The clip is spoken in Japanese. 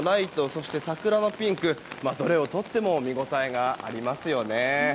そして桜のピンクどれをとっても見ごたえがありますよね。